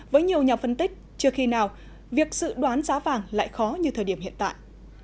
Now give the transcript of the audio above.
với nhiều nhà phân tích chưa khi nào việc dự đoán giá vàng lại khó như thời điểm hiện tại